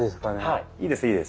はいいいですいいです。